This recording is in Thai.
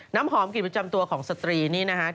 น้ำหอมกลิ่นประจำตัวของสตรีนี่นะฮะ